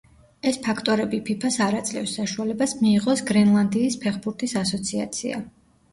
ეს ფაქტორები ფიფას არ აძლევს საშუალებას მიიღოს გრენლანდიის ფეხბურთის ასოციაცია.